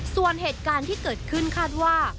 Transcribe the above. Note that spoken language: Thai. ส่วนเหตุการณ์ที่เกิดขึ้นคาดว่า